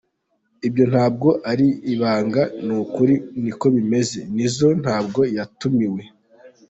Ibyo ntabwo ari ibanga, ni ukuri, niko bimeze, Nizzo ntabwo yatumiwe.